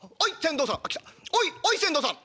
『おいおい船頭さん！